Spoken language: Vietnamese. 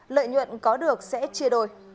lợi nhuận có được sẽ chia đôi